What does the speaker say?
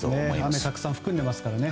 雨をたくさん含んでますからね。